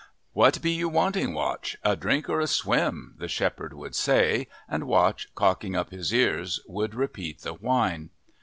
"What be you wanting, Watch a drink or a swim?" the shepherd would say, and Watch, cocking up his ears, would repeat the whine.